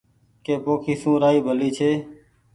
ڪي پوکي سون رآئي ڀلي ڇي